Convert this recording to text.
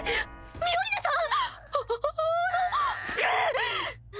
ミオリネさん。